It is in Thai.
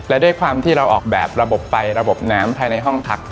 และด้วยความที่เราออกแบบระบบไฟระบบน้ำภายในห้องพัก